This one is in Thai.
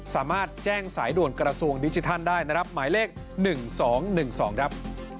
สามารถแจ้งสายด่วนกระทรวงดิจิทัลได้นะครับหมายเลข๑๒๑๒ครับ